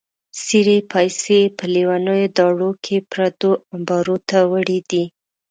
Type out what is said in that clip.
څېرې پایڅې یې په لیونیو داړو کې پردو امبارو ته وړې دي.